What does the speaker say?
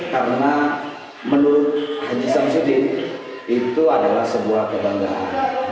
karena menurut haji samsudin itu adalah sebuah kebanggaan